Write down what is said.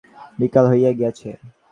যখন নৌকা লাগাইলেন, তখন বিকাল হইয়া গিয়াছে।